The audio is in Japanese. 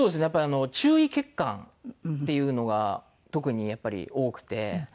やっぱり注意欠陥っていうのが特にやっぱり多くて。